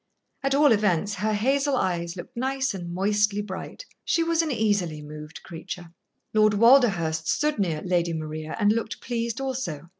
At all events, her hazel eyes looked nice and moistly bright. She was an easily moved creature. Lord Walderhurst stood near Lady Maria and looked pleased also.